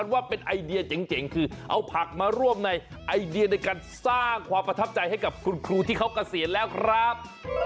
ว่าเป็นไอเดียเจ๋งคือเอาผักมาร่วมในไอเดียในการสร้างความประทับใจให้กับคุณครูที่เขาเกษียณแล้วครับ